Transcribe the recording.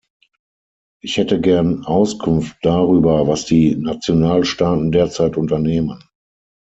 Ich hätte gern Auskunft darüber, was die Nationalstaaten derzeit unternehmen.